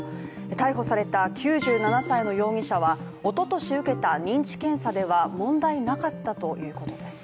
逮捕された９７歳の容疑者はおととし受けた認知検査では問題なかったということです。